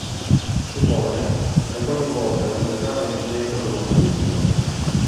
Simone è coinvolta in un grave incidente automobilistico.